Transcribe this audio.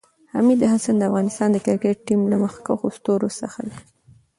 حمید حسن د افغانستان د کريکټ ټیم له مخکښو ستورو څخه ده